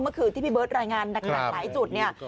เมื่อคืนที่พี่เบิร์ตรายงานหนักหลายจุดเนี่ย